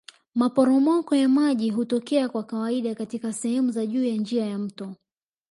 Maporomoko ya maji hutokea kwa kawaida katika sehemu za juu ya njia ya mto